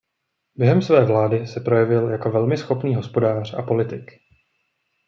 Během své vlády se projevil jako velmi schopný hospodář a politik.